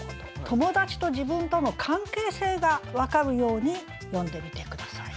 友達と自分との関係性が分かるように詠んでみて下さい。